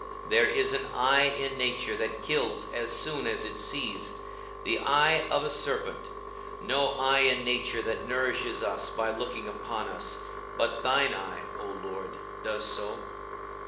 There is an eye in nature that kills as soon as it sees, the eye of a serpent; no eye in nature that nourishes us by looking upon us; but thine eye, O Lord, does so.